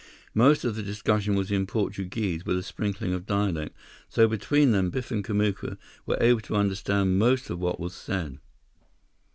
Most of the discussion was in Portuguese, with a sprinkling of dialect, so between them Biff and Kamuka were able to understand most of what was said.